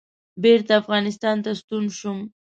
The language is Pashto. بېرته افغانستان ته ستون شوم.